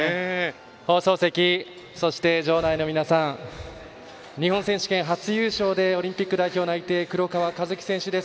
放送席、そして場内の皆さん日本選手権、初優勝でオリンピック代表内定、黒川和樹選手です。